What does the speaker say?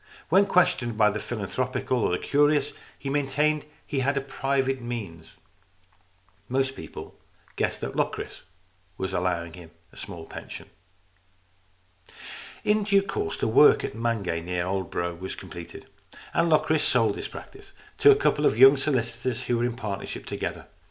When questioned by the philanthropical or the curious, he maintained that he had private means. Most people guessed that Locris was allowing him a small pension. In due course the work at Mangay near Aldeburgh was completed, and Locris sold his practice to a couple of young solicitors who were in partnership together.